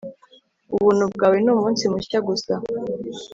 Ubuntu bwawe ni umunsi mushya gusa